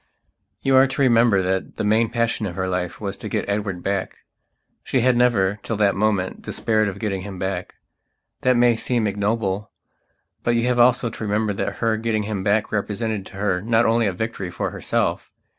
You are to remember that the main passion of her life was to get Edward back; she had never, till that moment, despaired of getting him back. That may seem ignoble; but you have also to remember that her getting him back represented to her not only a victory for herself.